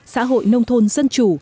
xã hội nông thôn dân chủ